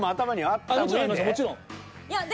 もちろん。